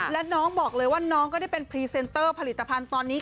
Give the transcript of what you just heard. และน้องบอกเลยว่าน้องก็ได้เป็นพรีเซนเตอร์ผลิตภัณฑ์ตอนนี้